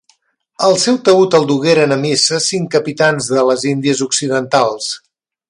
El seu taüt el dugueren a missa cinc capitans de les Índies occidentals.